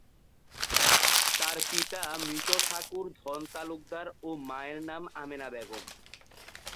তার পিতা মৃত ঠাকুর ধন তালুকদার ও মায়ের নাম আমেনা বেগম।